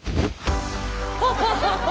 ハハハハ！